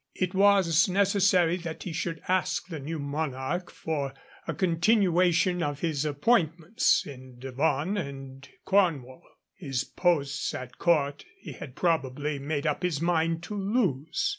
It was necessary that he should ask the new monarch for a continuation of his appointments in Devon and Cornwall; his posts at Court he had probably made up his mind to lose.